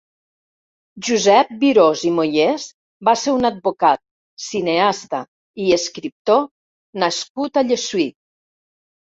Josep Virós i Moyés va ser un advocat, cineasta i escriptor nascut a Llessui.